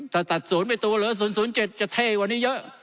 ถ้าตัดศูนย์ไปตัวเหลือ๐๐๐๗จะเท่กว่านี้เยอะ